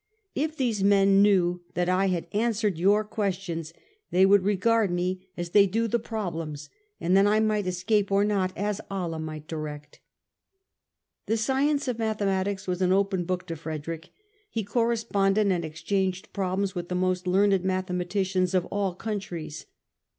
If these men knew that I had answered your questions, they would regard me as they do the problems : and then I might escape or not, as Allah might direct." The science of Mathematics was an open book to Frederick : he corresponded and exchanged problems with the most learned mathematicians of all countries.